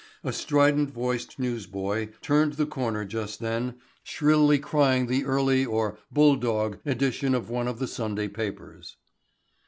A strident voiced newsboy turned the corner just then shrilly crying the early or "bull dog" edition of one of the Sunday papers.